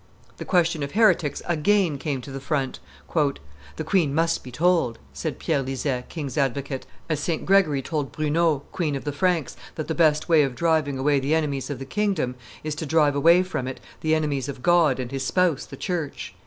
The question of heretics again came to the front. "The queen must be told," said Peter Lizet, king's advocate, "as St. Gregory told Brunehaut, Queen of the Franks, that the best way of driving away the enemies of the kingdom is to drive away from it the enemies of God and His spouse, the Church."